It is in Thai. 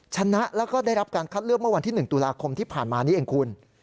ชนะแล้วก็ได้รับการคัดเลือกเมื่อวันที่๑ตุลาคมที่ผ่านมานี้เองคุณ